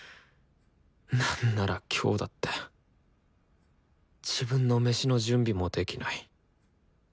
なんなら今日だって自分のメシの準備もできない。